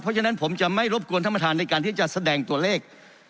เพราะฉะนั้นผมจะไม่รบกวนท่านประธานในการที่จะแสดงตัวเลข